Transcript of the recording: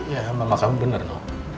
ya mama kamu bener loh